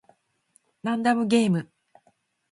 ランダムゲーム